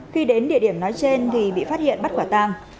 khi đến địa điểm nói trên thì bị phát hiện bắt quả tang